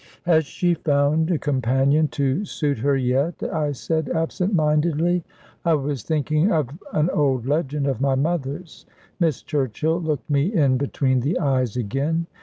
"Has she found a companion to suit her yet?" I said, absent mindedly. I was thinking of an old legend of my mother's. Miss Churchill looked me in between the eyes again.